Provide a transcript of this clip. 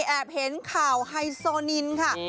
อาบเห็นข่าวไฮสนินทร์ค่ะ